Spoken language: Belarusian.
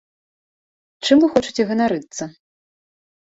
Чым вы хочаце ганарыцца?